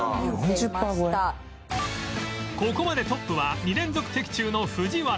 ここまでトップは２連続的中の藤原